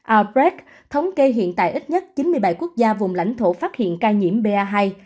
orbes thống kê hiện tại ít nhất chín mươi bảy quốc gia vùng lãnh thổ phát hiện ca nhiễm ba hai